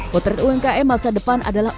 potret umkm masa depan adalah